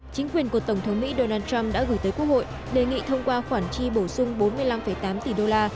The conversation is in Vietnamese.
chính quyền của tổng thống mỹ donald trump đã gửi tới quốc hội đề nghị thông qua khoản chi bổ sung bốn mươi năm tám tỷ đô la